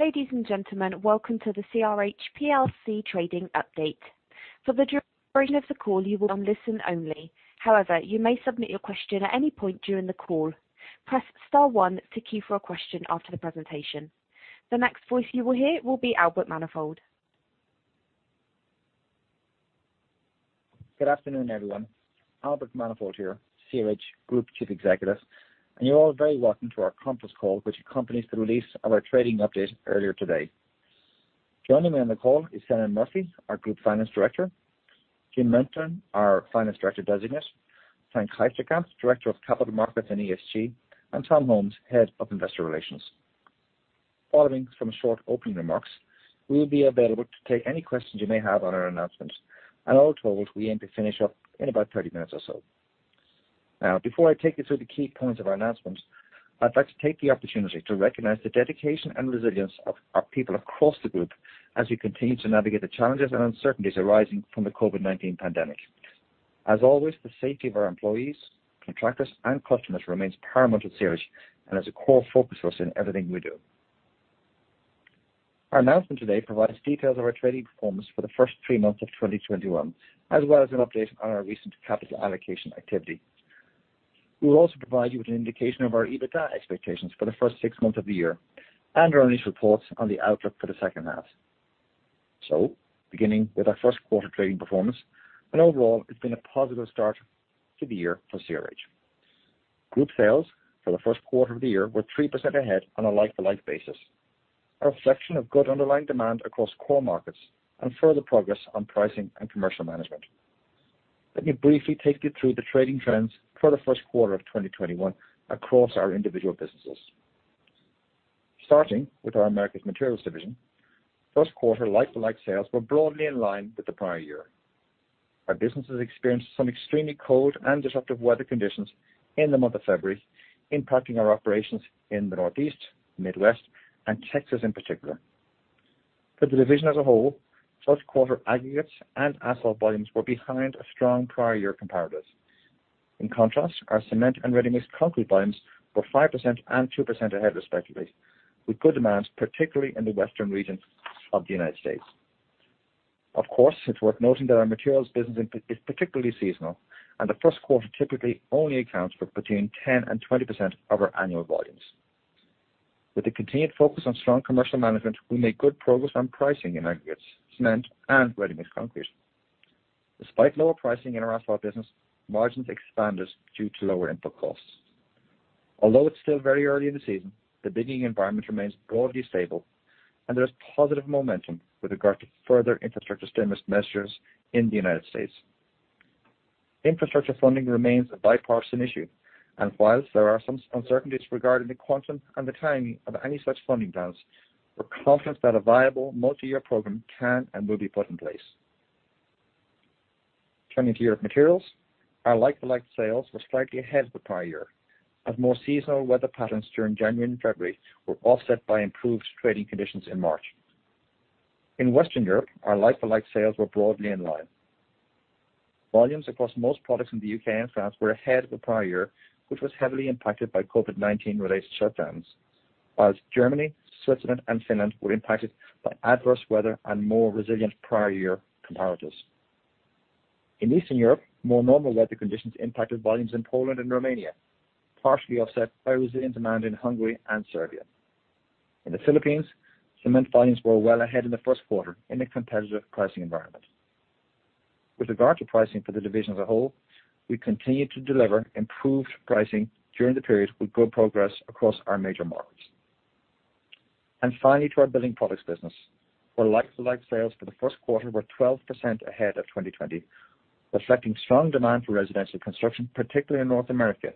Ladies and gentlemen, welcome to the CRH plc trading update. For the duration of the call, you will be on listen only. You may submit your question at any point during the call. Press star one to queue for a question after the presentation. The next voice you will hear will be Albert Manifold. Good afternoon, everyone. Albert Manifold here, CRH Group Chief Executive, you're all very welcome to our conference call, which accompanies the release of our trading update earlier today. Joining me on the call is Senan Murphy, our Group Finance Director, Jim Mintern, our Finance Director Designate, Frank Heisterkamp, Director of Capital Markets and ESG, and Tom Holmes, Head of Investor Relations. Following some short opening remarks, we will be available to take any questions you may have on our announcements. All told, we aim to finish up in about 30 minutes or so. Before I take you through the key points of our announcements, I'd like to take the opportunity to recognize the dedication and resilience of our people across the group as we continue to navigate the challenges and uncertainties arising from the COVID-19 pandemic. As always, the safety of our employees, contractors, and customers remains paramount at CRH and is a core focus for us in everything we do. Our announcement today provides details of our trading performance for the first three months of 2021, as well as an update on our recent capital allocation activity. We will also provide you with an indication of our EBITDA expectations for the first six months of the year and our initial reports on the outlook for the second half. Beginning with our first quarter trading performance, and overall, it's been a positive start to the year for CRH. Group sales for the first quarter of the year were 3% ahead on a like-for-like basis, a reflection of good underlying demand across core markets and further progress on pricing and commercial management. Let me briefly take you through the trading trends for the first quarter of 2021 across our individual businesses. Starting with our Americas Materials division, first quarter like-for-like sales were broadly in line with the prior year. Our businesses experienced some extremely cold and disruptive weather conditions in the month of February, impacting our operations in the Northeast, Midwest, and Texas in particular. For the division as a whole, first quarter aggregates and asphalt volumes were behind a strong prior year comparatives. In contrast, our cement and ready-mix concrete volumes were 5% and 2% ahead respectively, with good demands, particularly in the Western region of the United States. Of course, it's worth noting that our materials business is particularly seasonal, and the first quarter typically only accounts for between 10% and 20% of our annual volumes. With the continued focus on strong commercial management, we made good progress on pricing in aggregates, cement, and ready-mix concrete. Despite lower pricing in our asphalt business, margins expanded due to lower input costs. Although it's still very early in the season, the bidding environment remains broadly stable, and there is positive momentum with regard to further infrastructure stimulus measures in the United States. Infrastructure funding remains a bipartisan issue, and whilst there are some uncertainties regarding the quantum and the timing of any such funding plans, we're confident that a viable multi-year program can and will be put in place. Turning to Europe Materials, our like-for-like sales were slightly ahead of the prior year as more seasonal weather patterns during January and February were offset by improved trading conditions in March. In Western Europe, our like-for-like sales were broadly in line. Volumes across most products in the U.K. and France were ahead of the prior year, which was heavily impacted by COVID-19 related shutdowns. Germany, Switzerland, and Finland were impacted by adverse weather and more resilient prior year comparatives. In Eastern Europe, more normal weather conditions impacted volumes in Poland and Romania, partially offset by resilient demand in Hungary and Serbia. In the Philippines, cement volumes were well ahead in the first quarter in a competitive pricing environment. With regard to pricing for the division as a whole, we continued to deliver improved pricing during the period with good progress across our major markets. Finally, to our Building Products business, where like-for-like sales for the first quarter were 12% ahead of 2020, reflecting strong demand for residential construction, particularly in North America,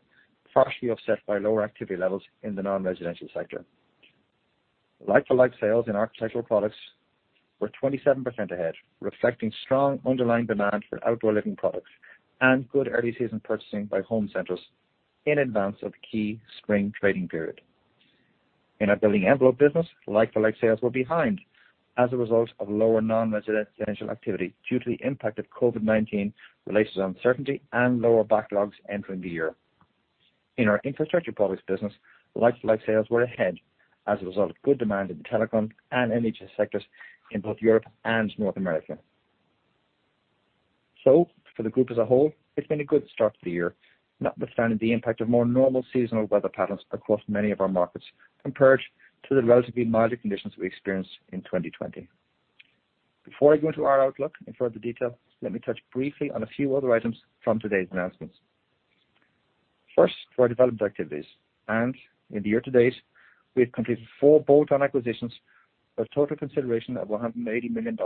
partially offset by lower activity levels in the non-residential sector. Like-for-like sales in Architectural Products were 27% ahead, reflecting strong underlying demand for outdoor living products and good early-season purchasing by home centers in advance of the key spring trading period. In our Building Envelope business, like-for-like sales were behind as a result of lower non-residential activity due to the impact of COVID-19 related uncertainty and lower backlogs entering the year. In our Infrastructure Products business, like-for-like sales were ahead as a result of good demand in the telecom and energy sectors in both Europe and North America. For the group as a whole, it's been a good start to the year, notwithstanding the impact of more normal seasonal weather patterns across many of our markets compared to the relatively milder conditions we experienced in 2020. Before I go into our outlook in further detail, let me touch briefly on a few other items from today's announcements. First, for our development activities. In the year to date, we have completed four bolt-on acquisitions with total consideration of $180 million,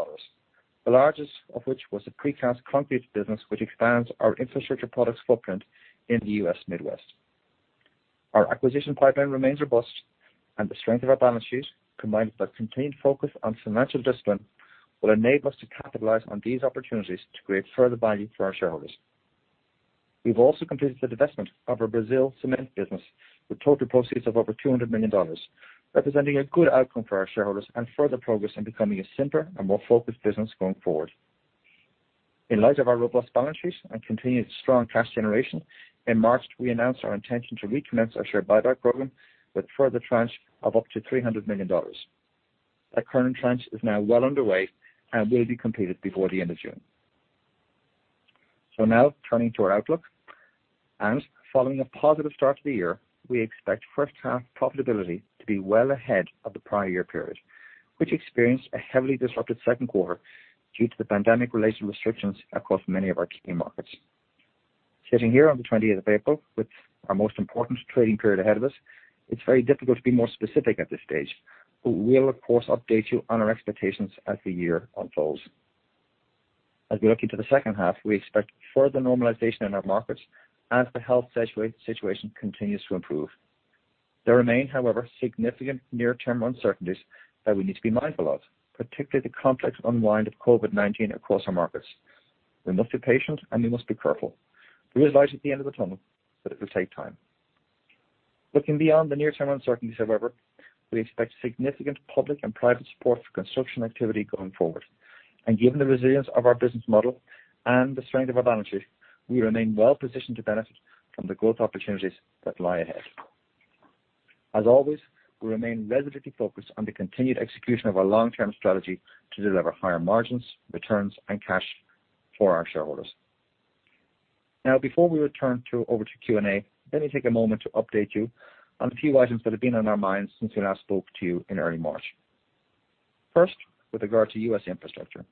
the largest of which was the precast concrete business, which expands our Infrastructure Products footprint in the U.S. Midwest. Our acquisition pipeline remains robust. The strength of our balance sheet, combined with our continued focus on financial discipline, will enable us to capitalize on these opportunities to create further value for our shareholders. We've also completed the divestment of our Brazil cement business with total proceeds of over $200 million, representing a good outcome for our shareholders and further progress in becoming a simpler and more focused business going forward. In light of our robust balance sheets and continued strong cash generation, in March, we announced our intention to recommence our share buyback program with a further tranche of up to $300 million. That current tranche is now well underway and will be completed before the end of June. Now turning to our outlook. Following a positive start to the year, we expect first half profitability to be well ahead of the prior year period, which experienced a heavily disrupted second quarter due to the pandemic-related restrictions across many of our key markets. Sitting here on the 20th of April with our most important trading period ahead of us, it's very difficult to be more specific at this stage, but we'll of course, update you on our expectations as the year unfolds. As we look into the second half, we expect further normalization in our markets as the health situation continues to improve. There remain, however, significant near-term uncertainties that we need to be mindful of, particularly the complex unwind of COVID-19 across our markets. We must be patient, and we must be careful. There is light at the end of the tunnel, but it will take time. Looking beyond the near-term uncertainties, however, we expect significant public and private support for construction activity going forward. Given the resilience of our business model and the strength of our balance sheet, we remain well-positioned to benefit from the growth opportunities that lie ahead. As always, we remain laser-focused on the continued execution of our long-term strategy to deliver higher margins, returns, and cash for our shareholders. Now, before we return over to Q&A, let me take a moment to update you on a few items that have been on our minds since we last spoke to you in early March. First, with regard to U.S. infrastructure.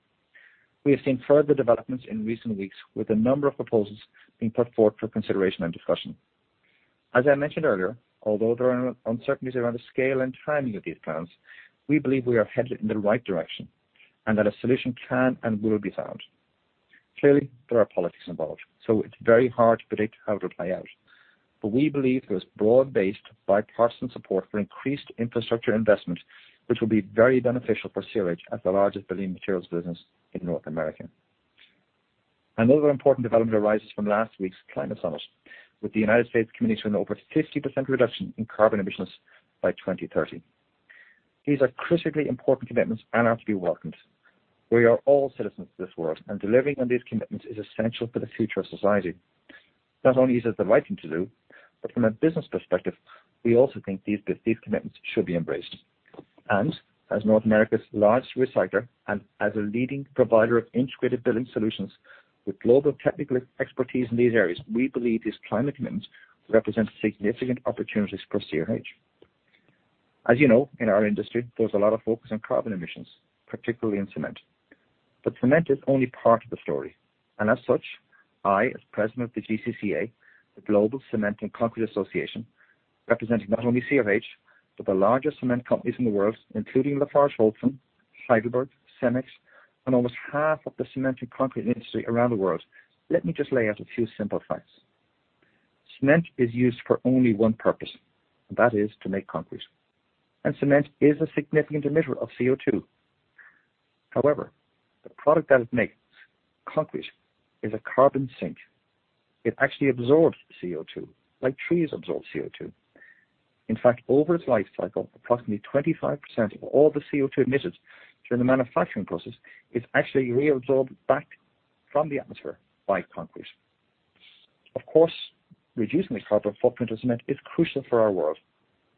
We have seen further developments in recent weeks with a number of proposals being put forward for consideration and discussion. As I mentioned earlier, although there are uncertainties around the scale and timing of these plans, we believe we are headed in the right direction and that a solution can and will be found. Clearly, there are politics involved, so it's very hard to predict how it'll play out. We believe there is broad-based, bipartisan support for increased infrastructure investment, which will be very beneficial for CRH as the largest building materials business in North America. Another important development arises from last week's Climate Summit, with the United States committing to an over 50% reduction in carbon emissions by 2030. These are critically important commitments and are to be welcomed. We are all citizens of this world, and delivering on these commitments is essential for the future of society. Not only is it the right thing to do, from a business perspective, we also think these commitments should be embraced. As North America's largest recycler and as a leading provider of integrated building solutions with global technical expertise in these areas, we believe these climate commitments represent significant opportunities for CRH. As you know, in our industry, there's a lot of focus on carbon emissions, particularly in cement. Cement is only part of the story, and as such, I, as President of the GCCA, the Global Cement and Concrete Association, representing not only CRH, but the largest cement companies in the world, including LafargeHolcim, Heidelberg, Cemex, and almost half of the cement and concrete industry around the world. Let me just lay out a few simple facts. Cement is used for only one purpose, and that is to make concrete. Cement is a significant emitter of CO2. However, the product that it makes, concrete, is a carbon sink. It actually absorbs CO2 like trees absorb CO2. In fact, over its life cycle, approximately 25% of all the CO2 emissions during the manufacturing process is actually reabsorbed back from the atmosphere by concrete. Of course, reducing the carbon footprint of cement is crucial for our world,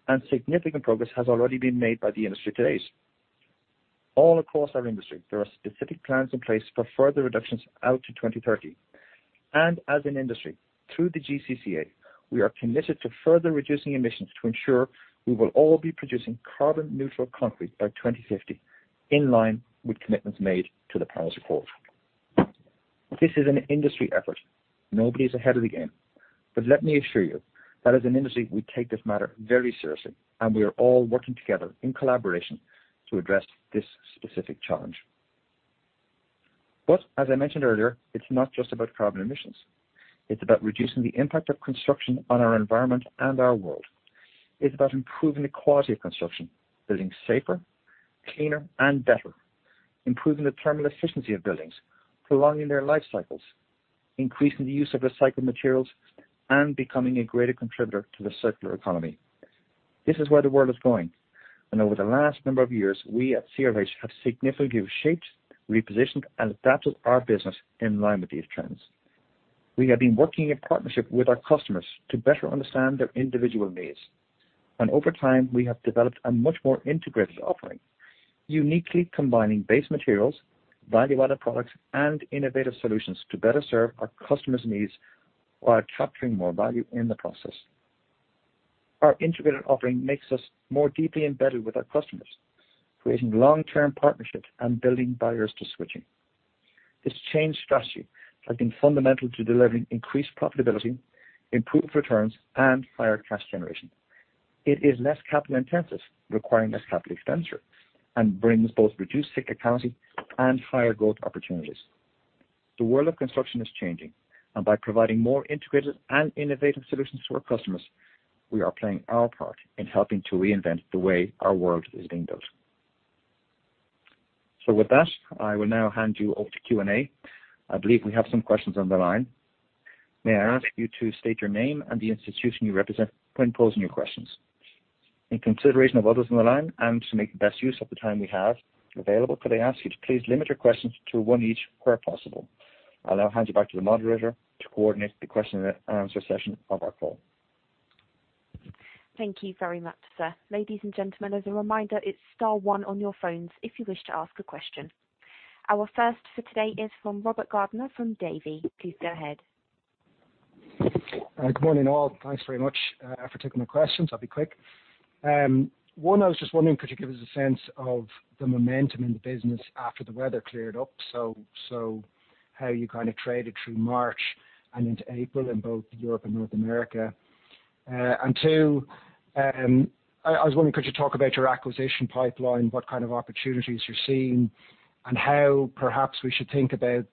and significant progress has already been made by the industry to date. All across our industry, there are specific plans in place for further reductions out to 2030. As an industry, through the GCCA, we are committed to further reducing emissions to ensure we will all be producing carbon-neutral concrete by 2050, in line with commitments made to the Paris Agreement. This is an industry effort. Nobody's ahead of the game. Let me assure you that as an industry, we take this matter very seriously, and we are all working together in collaboration to address this specific challenge. As I mentioned earlier, it's not just about carbon emissions. It's about reducing the impact of construction on our environment and our world. It's about improving the quality of construction, building safer, cleaner, and better. Improving the thermal efficiency of buildings, prolonging their life cycles, increasing the use of recycled materials, and becoming a greater contributor to the circular economy. This is where the world is going, and over the last number of years, we at CRH have significantly shaped, repositioned, and adapted our business in line with these trends. We have been working in partnership with our customers to better understand their individual needs. Over time, we have developed a much more integrated offering, uniquely combining base materials, value-added products, and innovative solutions to better serve our customers' needs while capturing more value in the process. Our integrated offering makes us more deeply embedded with our customers, creating long-term partnerships and building barriers to switching. This change strategy has been fundamental to delivering increased profitability, improved returns, and higher cash generation. It is less capital-intensive, requiring less capital expenditure, and brings both reduced cyclicality and higher growth opportunities. The world of construction is changing, and by providing more integrated and innovative solutions to our customers, we are playing our part in helping to reinvent the way our world is being built. With that, I will now hand you over to Q&A. I believe we have some questions on the line. May I ask you to state your name and the institution you represent when posing your questions? In consideration of others on the line and to make the best use of the time we have available, could I ask you to please limit your questions to one each where possible. I'll now hand you back to the moderator to coordinate the question and answer session of our call. Thank you very much, sir. Ladies and gentlemen, as a reminder, it's star one on your phones if you wish to ask a question. Our first for today is from Robert Gardiner from Davy. Please go ahead. Good morning, all. Thanks very much for taking my questions. I'll be quick. One, I was just wondering, could you give us a sense of the momentum in the business after the weather cleared up? How you kind of traded through March and into April in both Europe and North America. Two, I was wondering, could you talk about your acquisition pipeline, what kind of opportunities you're seeing, and how perhaps we should think about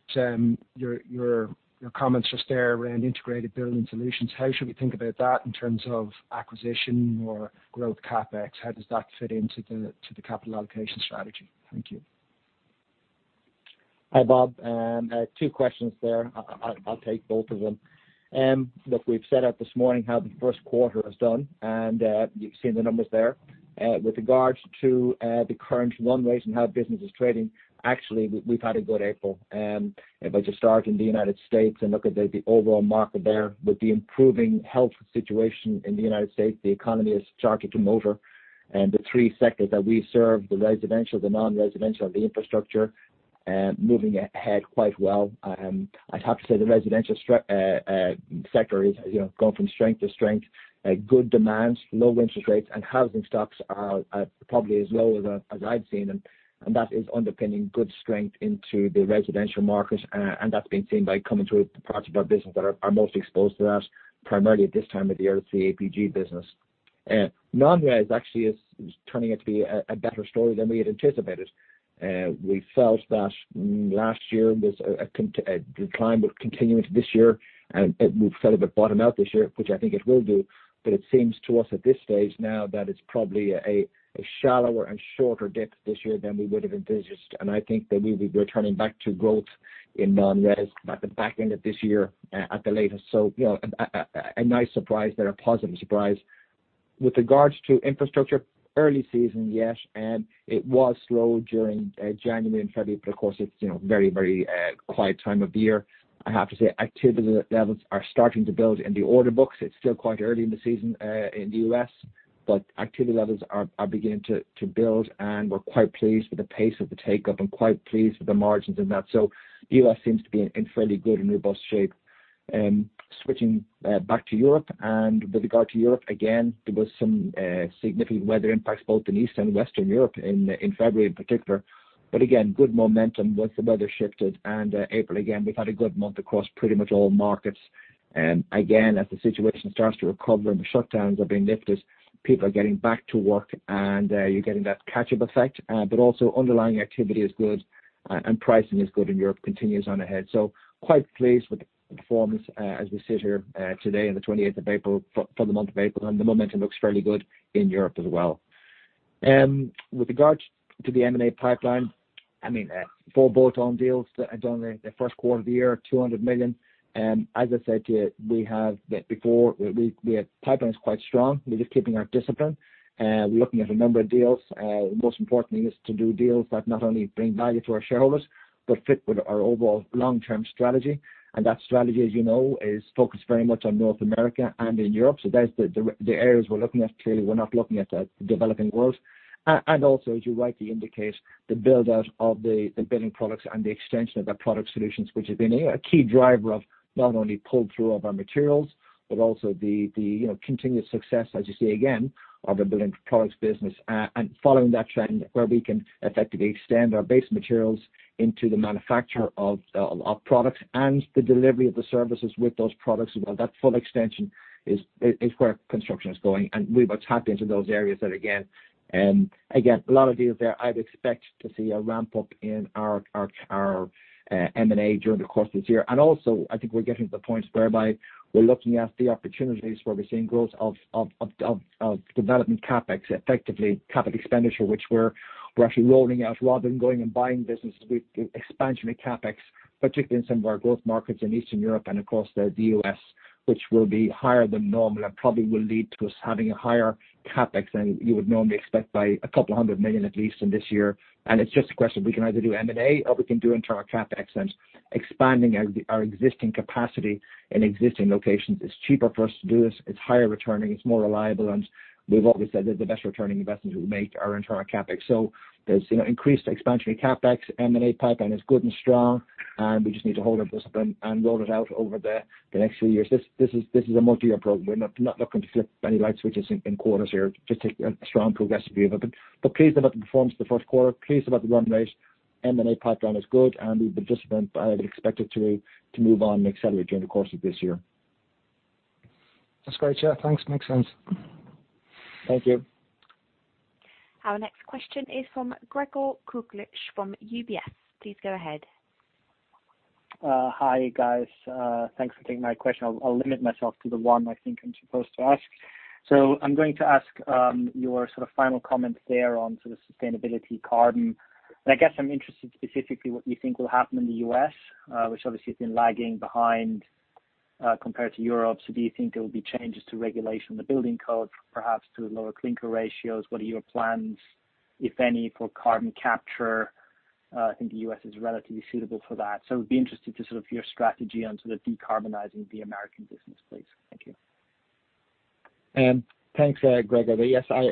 your comments just there around integrated building solutions. How should we think about that in terms of acquisition or growth CapEx? How does that fit into the capital allocation strategy? Thank you. Hi, Bob. Two questions there. I'll take both of them. Look, we've set out this morning how the first quarter has done, and you've seen the numbers there. With regards to the current run rates and how business is trading, actually, we've had a good April. If I just start in the United States and look at the overall market there, with the improving health situation in the United States, the economy is starting to move over. The three sectors that we serve, the residential, the non-residential, the infrastructure, moving ahead quite well. I'd have to say the residential sector is going from strength to strength. Good demands, low interest rates and housing stocks are probably as low as I've seen them, and that is underpinning good strength into the residential market. That's been seen by coming through with the parts of our business that are most exposed to that, primarily at this time of the year, it's the APG business. Non-res actually is turning out to be a better story than we had anticipated. We felt that last year, the decline would continue into this year, and we felt it would bottom out this year, which I think it will do. It seems to us at this stage now that it's probably a shallower and shorter dip this year than we would have envisaged. I think that we'll be returning back to growth in non-res by the back end of this year at the latest. A nice surprise there. A positive surprise. With regards to infrastructure, early season, yes, it was slow during January and February, but of course, it's very quiet time of year. I have to say activity levels are starting to build in the order books. It's still quite early in the season in the U.S., but activity levels are beginning to build, and we're quite pleased with the pace of the take-up and quite pleased with the margins in that. The U.S. seems to be in fairly good and robust shape. Switching back to Europe, and with regard to Europe, again, there was some significant weather impacts both in East and Western Europe in February in particular. Again, good momentum once the weather shifted and April, again, we've had a good month across pretty much all markets. Again, as the situation starts to recover and the shutdowns are being lifted, people are getting back to work and you're getting that catch-up effect. Also underlying activity is good and pricing is good in Europe, continues on ahead. Quite pleased with the performance as we sit here today on the 28th of April for the month of April, and the momentum looks fairly good in Europe as well. With regards to the M&A pipeline, four bolt-on deals that are done in the first quarter of the year, $200 million. As I said to you, we have, before, the pipeline is quite strong. We're just keeping our discipline. We're looking at a number of deals. Most importantly is to do deals that not only bring value to our shareholders but fit with our overall long-term strategy. That strategy, as you know, is focused very much on North America and in Europe. There's the areas we're looking at. Clearly, we're not looking at the developing world. Also, as you rightly indicate, the build-out of the building products and the extension of the product solutions, which have been a key driver of not only pull-through of our materials, but also the continuous success, as you say, again, of the Building Products business. Following that trend where we can effectively extend our base materials into the manufacture of products and the delivery of the services with those products as well. That full extension is where construction is going, and we will tap into those areas there again. Again, a lot of deals there. I'd expect to see a ramp-up in our M&A during the course of this year. Also, I think we're getting to the point whereby we're looking at the opportunities where we're seeing growth of development CapEx, effectively capital expenditure, which we're actually rolling out rather than going and buying businesses with expansionary CapEx, particularly in some of our growth markets in Eastern Europe and across the U.S., which will be higher than normal and probably will lead to us having a higher CapEx than you would normally expect by a couple of hundred million at least in this year. It's just a question. We can either do M&A or we can do internal CapEx and expanding our existing capacity in existing locations. It's cheaper for us to do this. It's higher returning, it's more reliable, and we've always said that the best returning investments we make are internal CapEx. There's increased expansionary CapEx. M&A pipeline is good and strong. We just need to hold our discipline and roll it out over the next few years. This is a multi-year program. We're not looking to flip any light switches in quarters here. Just take a strong progressive view of it. Pleased about the performance of the first quarter. Pleased about the run rate. M&A pipeline is good. With the discipline, I would expect it to move on and accelerate during the course of this year. That's great, yeah. Thanks. Makes sense. Thank you. Our next question is from Gregor Kuglitsch from UBS. Please go ahead. Hi, guys. Thanks for taking my question. I'll limit myself to the one I think I'm supposed to ask. I'm going to ask your sort of final comments there on sort of sustainability carbon. I guess I'm interested specifically what you think will happen in the U.S., which obviously has been lagging behind compared to Europe. Do you think there will be changes to regulation, the building code, perhaps to lower clinker ratios? What are your plans, if any, for carbon capture? I think the U.S. is relatively suitable for that. It'd be interesting to sort of hear strategy on sort of decarbonizing the American business, please. Thank you. Thanks, Gregor. Yes, I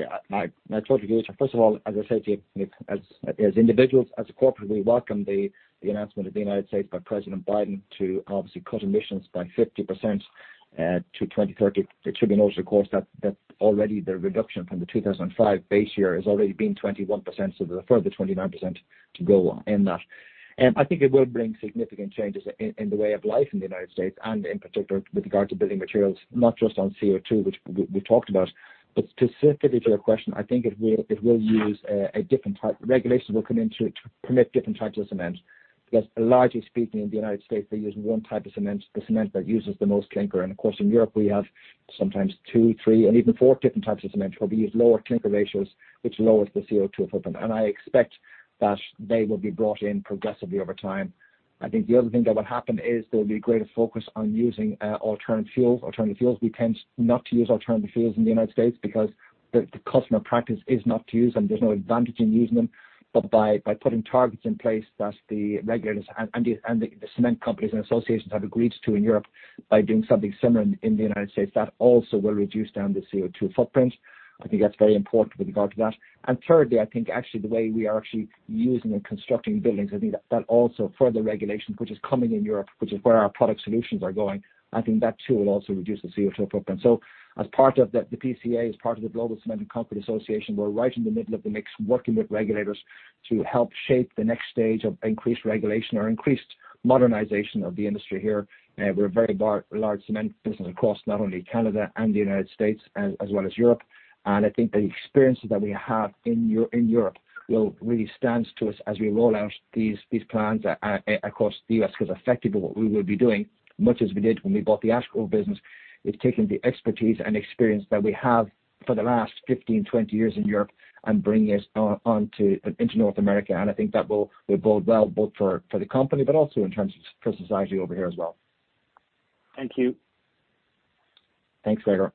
totally agree with you. First of all, as I said to you, as individuals, as a corporate, we welcome the announcement of the United States by President Biden to obviously cut emissions by 50% to 2030. It should be noted, of course, that already the reduction from the 2005 base year has already been 21%, so there's a further 29% to go in that. I think it will bring significant changes in the way of life in the United States and in particular, with regard to building materials, not just on CO2, which we talked about. Specifically to your question, Regulations will come in to permit different types of cement, because largely speaking, in the United States, they're using one type of cement, the cement that uses the most clinker. Of course, in Europe we have sometimes two, three and even four different types of cement, where we use lower clinker ratios, which lowers the CO2 footprint. I expect that they will be brought in progressively over time. I think the other thing that will happen is there will be a greater focus on using alternative fuels. We tend not to use alternative fuels in the United States because the customer practice is not to use them. There's no advantage in using them. By putting targets in place, thus the regulators and the cement companies and associations have agreed to in Europe, by doing something similar in the United States, that also will reduce down the CO2 footprint. I think that's very important with regard to that. Thirdly, I think actually the way we are actually using and constructing buildings, I think that also further regulations, which is coming in Europe, which is where our product solutions are going, I think that too will also reduce the CO2 footprint. As part of the PCA, as part of the Global Cement and Concrete Association, we're right in the middle of the mix, working with regulators to help shape the next stage of increased regulation or increased modernization of the industry here. We're a very large cement business across not only Canada and the United States as well as Europe. I think the experiences that we have in Europe will really stand to us as we roll out these plans across the U.S. because effectively what we will be doing, much as we did when we bought the Ash Grove business, is taking the expertise and experience that we have for the last 15, 20 years in Europe and bringing it into North America. I think that will bode well both for the company but also in terms for society over here as well. Thank you. Thanks, Gregor.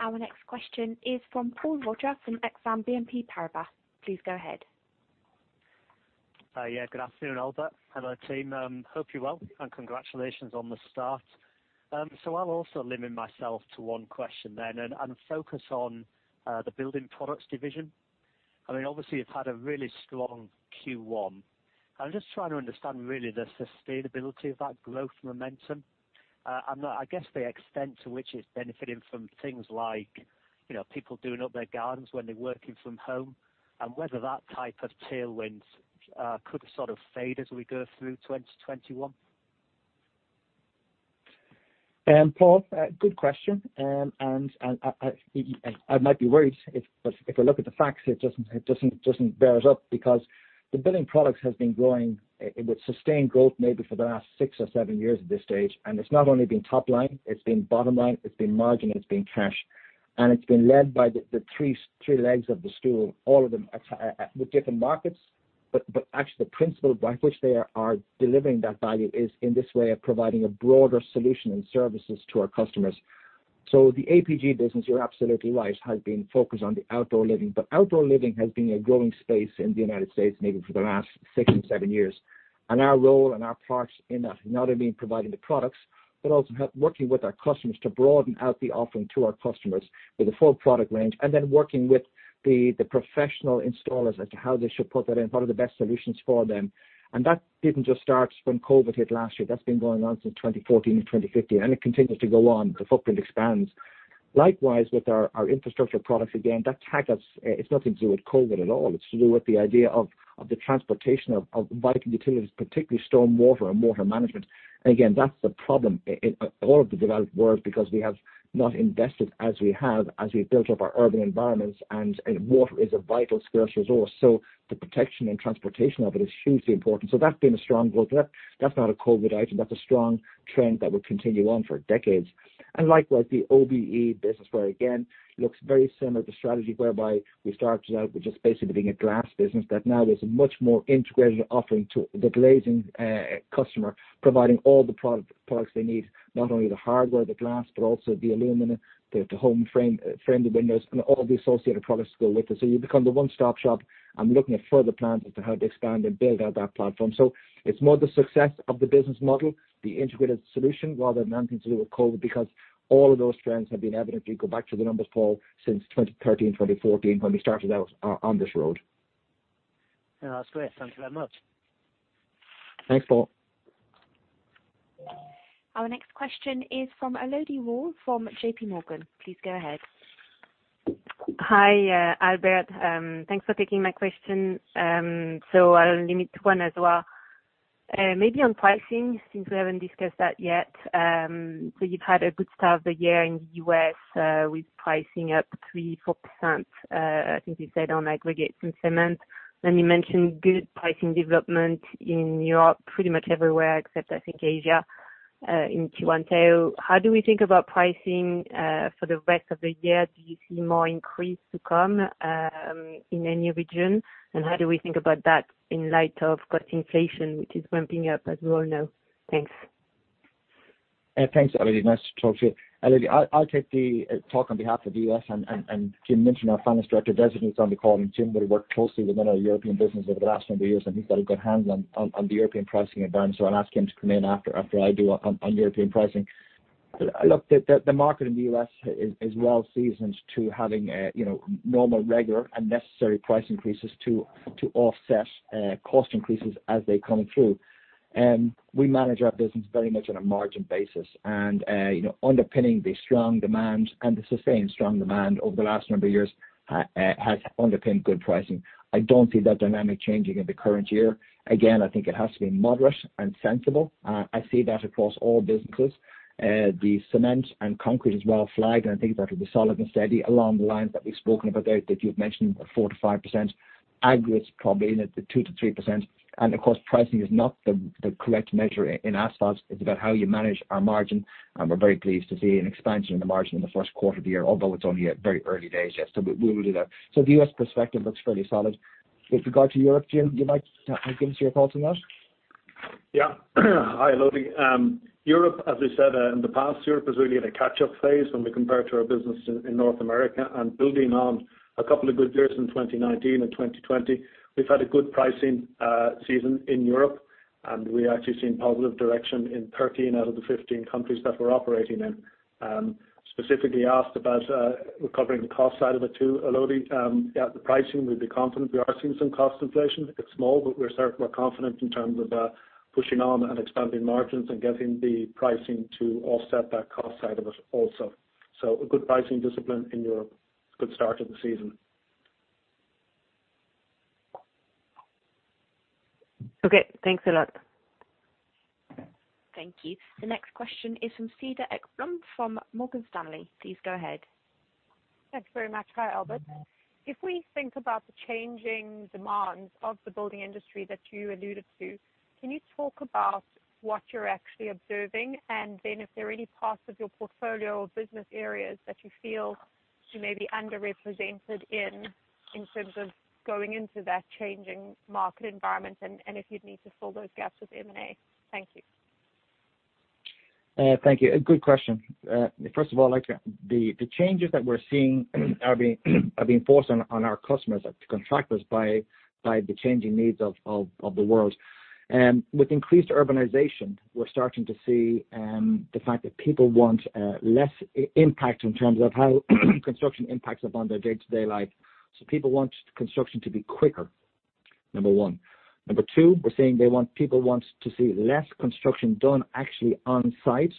Our next question is from Paul Roger from Exane BNP Paribas. Please go ahead. Yeah, good afternoon, Albert. Hello, team. Hope you're well, and congratulations on the start. I'll also limit myself to one question then and focus on the Building Products division. I mean, obviously you've had a really strong Q1. I'm just trying to understand really the sustainability of that growth momentum. I guess the extent to which it's benefiting from things like people doing up their gardens when they're working from home, and whether that type of tailwind could sort of fade as we go through 2021. Paul, good question. I might be worried, but if I look at the facts, it doesn't bear up because the Building Products has been growing with sustained growth maybe for the last six or seven years at this stage. It's not only been top line, it's been bottom line, it's been margin, it's been cash, and it's been led by the three legs of the stool, all of them with different markets. Actually, the principle by which they are delivering that value is in this way of providing a broader solution and services to our customers. The APG business, you're absolutely right, has been focused on the outdoor living. Outdoor living has been a growing space in the U.S. maybe for the last six and seven years. Our role and our part in that has not only been providing the products, but also working with our customers to broaden out the offering to our customers with a full product range, and then working with the professional installers as to how they should put that in, what are the best solutions for them. That didn't just start from COVID hit last year. That's been going on since 2014 and 2015, and it continues to go on. The footprint expands. Likewise with our Infrastructure Products, again, that tag us, it's nothing to do with COVID at all. It's to do with the idea of the transportation of vital utilities, particularly storm water and water management. Again, that's the problem in all of the developed world because we have not invested as we have as we built up our urban environments and water is a vital scarce resource. The protection and transportation of it is hugely important. That's been a strong growth. That's not a COVID-19 item. That's a strong trend that will continue on for decades. Likewise, the OBE business, where again, looks very similar to strategy whereby we started out with just basically being a glass business that now is a much more integrated offering to the glazing customer, providing all the products they need, not only the hardware, the glass, but also the aluminum, the home-friendly windows and all the associated products to go with it. You become the one-stop shop and looking at further plans as to how to expand and build out that platform. It's more the success of the business model, the integrated solution, rather than anything to do with COVID, because all of those trends have been evident if you go back to the numbers, Paul, since 2013, 2014 when we started out on this road. That's great. Thank you very much. Thanks, Paul. Our next question is from Elodie Rall from JPMorgan. Please go ahead. Hi, Albert. Thanks for taking my question. I'll limit to one as well. Maybe on pricing, since we haven't discussed that yet. You've had a good start of the year in the U.S. with pricing up 3%, 4%, I think you said on aggregate and cement. You mentioned good pricing development in Europe, pretty much everywhere except I think Asia, in Q1 tail. How do we think about pricing for the rest of the year? Do you see more increase to come in any region? How do we think about that in light of cost inflation, which is ramping up, as we all know? Thanks. Thanks, Elodie. Nice to talk to you. Elodie, I'll take the talk on behalf of the U.S., and Jim Mintern, our Finance Director Designate, is on the call. Jim really worked closely within our European business over the last number of years, and he's got a good handle on the European pricing environment. I'll ask him to come in after I do on European pricing. Look, the market in the U.S. is well-seasoned to having normal, regular, and necessary price increases to offset cost increases as they come through. We manage our business very much on a margin basis. Underpinning the strong demand and the sustained strong demand over the last number of years has underpinned good pricing. I don't see that dynamic changing in the current year. Again, I think it has to be moderate and sensible. I see that across all businesses. The cement and concrete as well, flagged. I think that'll be solid and steady along the lines that we've spoken about there, that you've mentioned, at 4%-5%. Aggregates probably in at the 2%-3%. Of course, pricing is not the correct measure in asphalts. It's about how you manage our margin. We're very pleased to see an expansion in the margin in the first quarter of the year, although it's only at very early days yet. We will do that. The U.S. perspective looks fairly solid. With regard to Europe, Jim, you might give us your thoughts on that. Yeah. Hi, Elodie. Europe, as I said, in the past, Europe is really in a catch-up phase when we compare to our business in North America. Building on a couple of good years in 2019 and 2020, we've had a good pricing season in Europe, and we are actually seeing positive direction in 13 out of the 15 countries that we're operating in. Specifically asked about recovering the cost side of it, too, Elodie. Yeah, the pricing, we'd be confident. We are seeing some cost inflation. It's small, but we're confident in terms of pushing on and expanding margins and getting the pricing to offset that cost side of it also. A good pricing discipline in Europe. Good start to the season. Okay, thanks a lot. Thank you. The next question is from Cedar Ekblom from Morgan Stanley. Please go ahead. Thanks very much. Hi, Albert. If we think about the changing demands of the building industry that you alluded to, can you talk about what you're actually observing? Then if there are any parts of your portfolio or business areas that you feel you may be underrepresented in in terms of going into that changing market environment and if you'd need to fill those gaps with M&A. Thank you. Thank you. A good question. First of all, the changes that we're seeing are being forced on our customers and to contractors by the changing needs of the world. With increased urbanization, we're starting to see the fact that people want less impact in terms of how construction impacts upon their day-to-day life. People want construction to be quicker, number one. Number two, we're seeing people want to see less construction done actually on site,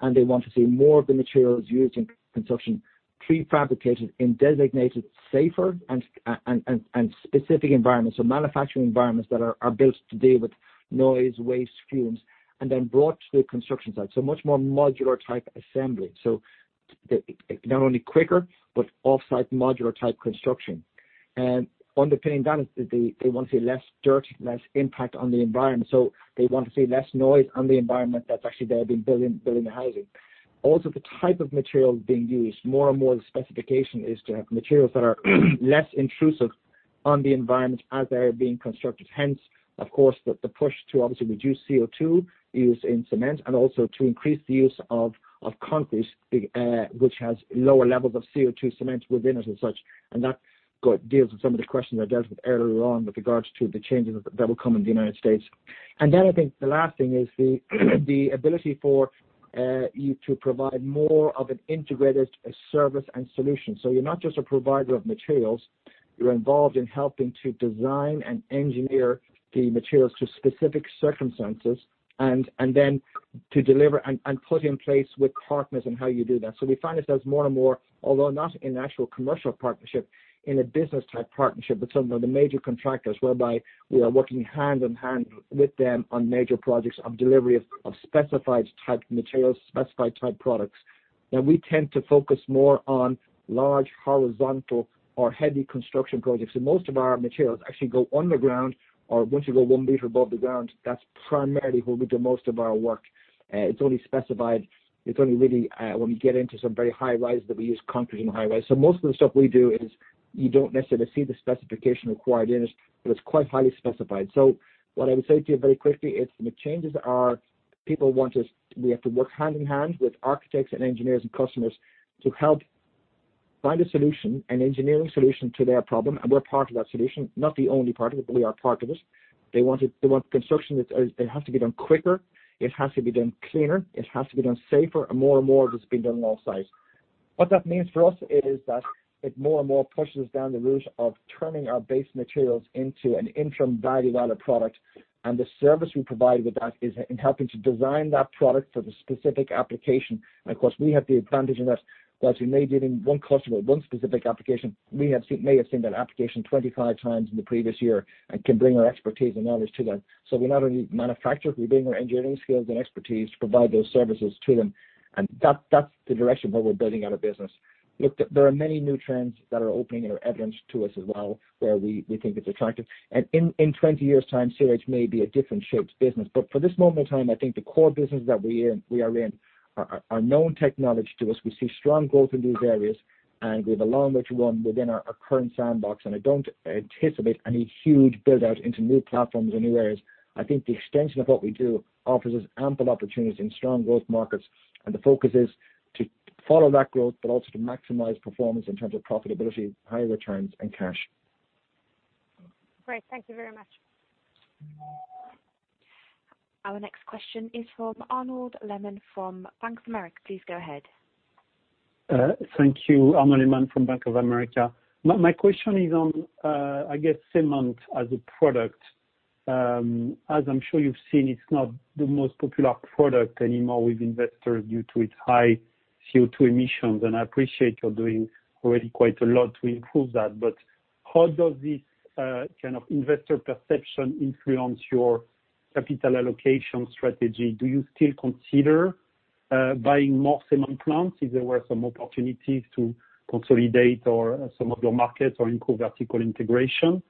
and they want to see more of the materials used in construction prefabricated in designated safer and specific environments. Manufacturing environments that are built to deal with noise, waste, fumes, and then brought to the construction site. Much more modular-type assembly. Not only quicker, but off-site modular-type construction. Underpinning that is they want to see less dirt, less impact on the environment. They want to see less noise on the environment that's actually there building the housing. The type of materials being used, more and more the specification is to have materials that are less intrusive on the environment as they're being constructed. Of course, the push to obviously reduce CO2 use in cement and also to increase the use of concrete, which has lower levels of CO2 cement within it as such. That deals with some of the questions I dealt with earlier on with regards to the changes that will come in the U.S. I think the last thing is the ability for you to provide more of an integrated service and solution. You're not just a provider of materials, you're involved in helping to design and engineer the materials to specific circumstances, and then to deliver and put in place with partners in how you do that. We find ourselves more and more, although not in actual commercial partnership, in a business-type partnership with some of the major contractors, whereby we are working hand-in-hand with them on major projects on delivery of specified-type materials, specified-type products. Now, we tend to focus more on large horizontal or heavy construction projects. Most of our materials actually go underground or once you go 1 meter above the ground, that's primarily where we do most of our work. It's only really when we get into some very high-rise that we use concrete in the high-rise. Most of the stuff we do is you don't necessarily see the specification required in it, but it's quite highly specified. What I would say to you very quickly, it's the changes are people want us. We have to work hand-in-hand with architects and engineers and customers to help find a solution, an engineering solution to their problem, and we're part of that solution. Not the only part of it, but we are part of it. They want construction that has to be done quicker, it has to be done cleaner, it has to be done safer, and more and more of it's being done off-site. What that means for us is that it more and more pushes down the route of turning our base materials into an interim value-added product, and the service we provide with that is in helping to design that product for the specific application. Of course, we have the advantage in that whilst we may deal with one customer, one specific application, we may have seen that application 25 times in the previous year and can bring our expertise and knowledge to that. We're not only manufacturers, we bring our engineering skills and expertise to provide those services to them. That's the direction where we're building out our business. Look, there are many new trends that are opening and are evident to us as well, where we think it's attractive. In 20 years' time, CRH may be a different-shaped business. For this moment in time, I think the core business that we are in are known technology to us. We see strong growth in these areas, and we've a long way to run within our current sandbox, and I don't anticipate any huge build-out into new platforms or new areas. I think the extension of what we do offers us ample opportunities in strong growth markets, and the focus is to follow that growth, but also to maximize performance in terms of profitability, high returns and cash. Great. Thank you very much. Our next question is from Arnaud Lehmann from Bank of America. Please go ahead. Thank you. Arnaud Lehmann from Bank of America. My question is on, I guess, cement as a product. As I'm sure you've seen, it's not the most popular product anymore with investors due to its high CO2 emissions, and I appreciate you're doing already quite a lot to improve that. How does this kind of investor perception influence your capital allocation strategy? Do you still consider buying more cement plants if there were some opportunities to consolidate or some of your markets or improve vertical integration?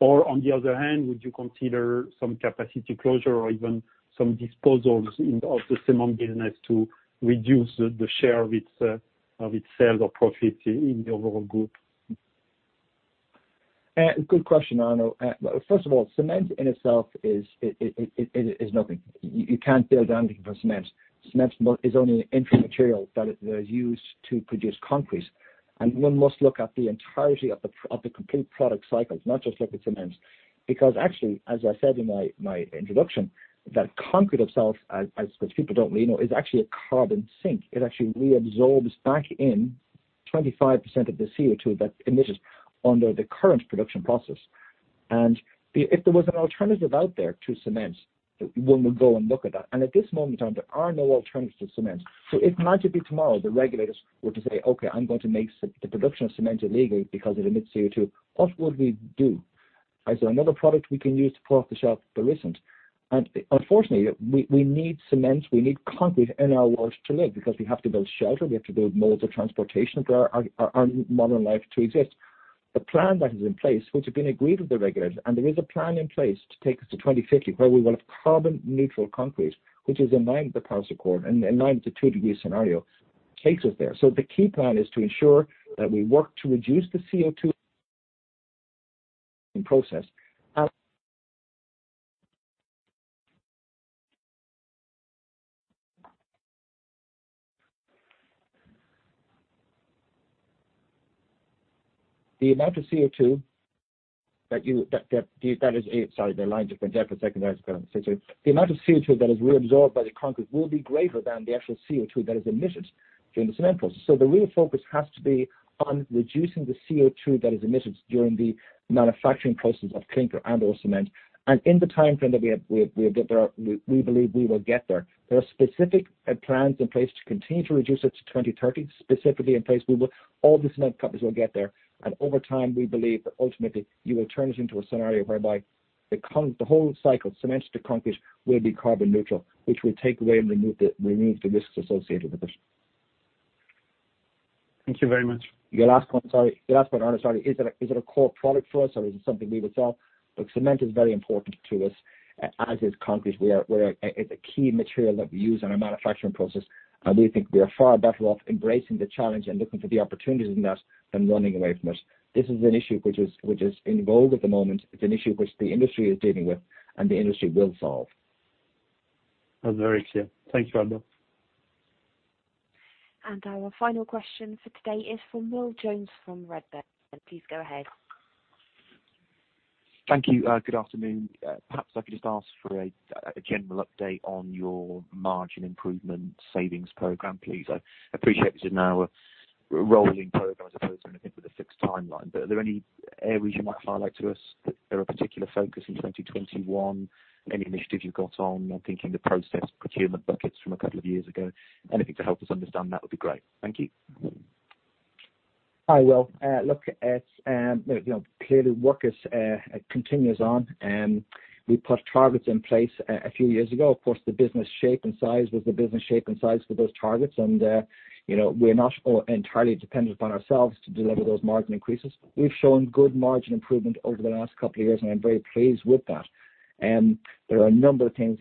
On the other hand, would you consider some capacity closure or even some disposals of the cement business to reduce the share of its sales or profits in the overall group? Good question, Arnaud. First of all, cement in itself is nothing. You can't build anything from cement. Cement is only an entry material that is used to produce concrete. One must look at the entirety of the complete product cycles, not just look at cement. Because actually, as I said in my introduction, that concrete itself, which people don't really know, is actually a carbon sink. It actually reabsorbs back in 25% of the CO2 that emits under the current production process. If there was an alternative out there to cement, one would go and look at that. At this moment on, there are no alternatives to cement. If magically tomorrow the regulators were to say, "Okay, I'm going to make the production of cement illegal because it emits CO2," what would we do? Is there another product we can use off the shelf? There isn't. Unfortunately, we need cement, we need concrete in our world to live, because we have to build shelter, we have to build modes of transportation for our modern life to exist. The plan that is in place, which has been agreed with the regulators, and there is a plan in place to take us to 2050, where we will have carbon-neutral concrete, which is in line with the Paris Accord and in line with the two degree scenario, takes us there. The key plan is to ensure that we work to reduce the CO2 in process. The amount of CO2 that is reabsorbed by the concrete will be greater than the actual CO2 that is emitted during the cement process. The real focus has to be on reducing the CO2 that is emitted during the manufacturing process of clinker and or cement. In the timeframe that we have, we believe we will get there. There are specific plans in place to continue to reduce it to 2030, specifically in place. All the cement companies will get there. Over time, we believe that ultimately you will turn it into a scenario whereby the whole cycle, cement to concrete, will be carbon neutral, which will take away and remove the risks associated with it. Thank you very much. Your last point, sorry. Your last point, Arnaud, sorry. Is it a core product for us or is it something we would sell? Look, cement is very important to us, as is concrete. It's a key material that we use in our manufacturing process, and we think we are far better off embracing the challenge and looking for the opportunities in that than running away from it. This is an issue which is in vogue at the moment. It's an issue which the industry is dealing with and the industry will solve. That's very clear. Thank you, Albert. Our final question for today is from Will Jones from Redburn. Please go ahead. Thank you. Good afternoon. Perhaps I could just ask for a general update on your margin improvement savings program, please. I appreciate this is now a rolling program as opposed to anything with a fixed timeline. Are there any areas you might highlight to us that are a particular focus in 2021? Any initiatives you've got on, I'm thinking the process procurement buckets from a couple of years ago. Anything to help us understand that would be great. Thank you. Hi, Will. Look, clearly work continues on. We put targets in place a few years ago. Of course, the business shape and size was the business shape and size for those targets, and we're not entirely dependent upon ourselves to deliver those margin increases. We've shown good margin improvement over the last couple of years, and I'm very pleased with that. There are a number of things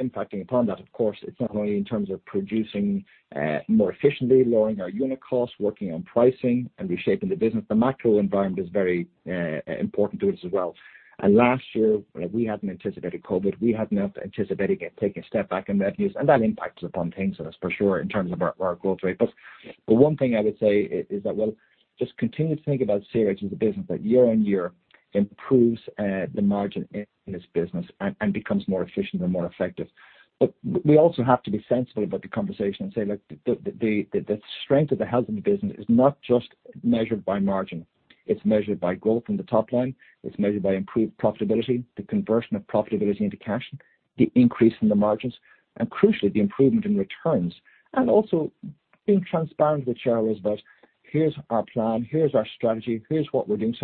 impacting upon that. Of course, it's not only in terms of producing more efficiently, lowering our unit costs, working on pricing and reshaping the business. The macro environment is very important to us as well. Last year, we hadn't anticipated COVID. We had not anticipated taking a step back in revenues, and that impacted upon things for sure in terms of our growth rate. The one thing I would say is that, well, just continue to think about CRH as a business that year on year improves the margin in this business and becomes more efficient and more effective. We also have to be sensible about the conversation and say, look, the strength of the health in the business is not just measured by margin. It's measured by growth in the top line. It's measured by improved profitability, the conversion of profitability into cash, the increase in the margins, and crucially, the improvement in returns. Also being transparent with shareholders about, here's our plan, here's our strategy, here's what we're doing.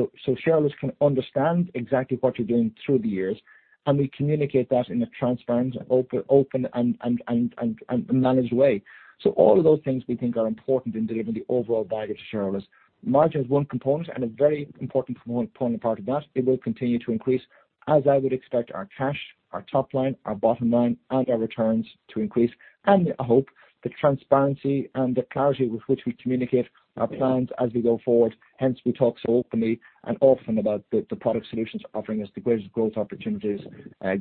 Shareholders can understand exactly what you're doing through the years, and we communicate that in a transparent, open, and managed way. All of those things we think are important in delivering the overall value to shareholders. Margin is one component and a very important part of that. It will continue to increase as I would expect our cash, our top line, our bottom line, and our returns to increase. I hope the transparency and the clarity with which we communicate our plans as we go forward, hence we talk so openly and often about the product solutions offering us the greatest growth opportunities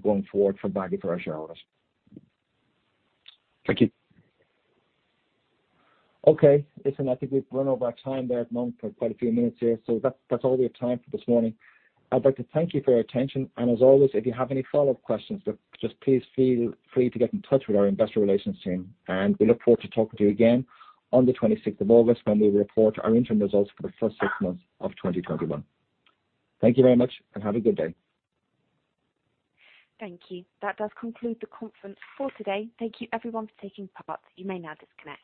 going forward for value for our shareholders. Thank you. Okay. Listen, I think we've run over our time there for quite a few minutes here. That's all we have time for this morning. I'd like to thank you for your attention, and as always, if you have any follow-up questions, just please feel free to get in touch with our investor relations team. We look forward to talking to you again on the 26th of August when we report our interim results for the first six months of 2021. Thank you very much, and have a good day. Thank you. That does conclude the conference for today. Thank you everyone for taking part. You may now disconnect.